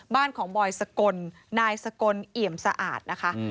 บ้านของบอยสกลนายสกลเอี่ยมสะอาดนะคะ